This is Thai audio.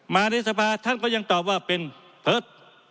ในสภาท่านก็ยังตอบว่าเป็นเพิร์ต